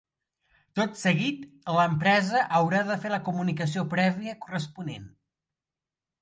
Tot seguit, l'empresa haurà de fer la comunicació prèvia corresponent.